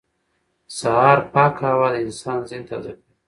سهار پاکه هوا د انسان ذهن تازه کوي